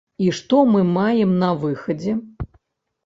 І што мы маем на выхадзе?